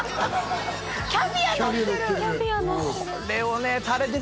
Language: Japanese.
キャビアがのってる！